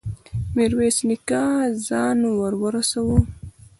ميرويس نيکه ځان ور ورساوه.